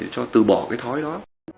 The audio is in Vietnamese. cho từ bỏ cái thói đó